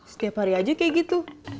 setiap hari aja kayak gitu